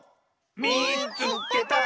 「みいつけた！」。